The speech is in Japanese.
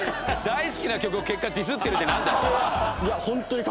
大好きな曲を結果ディスってるってなんだよ！